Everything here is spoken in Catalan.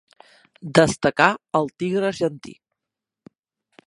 Destacà al Tigre argentí.